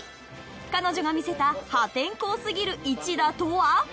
彼女が見せた破天荒すぎる一打とは？